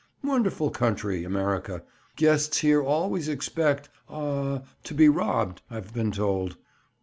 Wonderful country, America! Guests here always expect—aw!—to be robbed, I've been told."